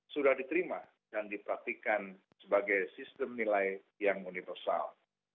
sudah diterima dan dipraktikan sebagai sistem nilai yang universal